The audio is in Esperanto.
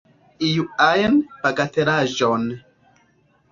Iu ajn bagatelaĵon.